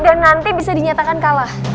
dan nanti bisa dinyatakan kalah